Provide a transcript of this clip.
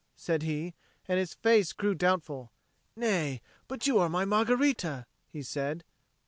said he, and his face grew doubtful. "Nay, but you are my Margherita," he said.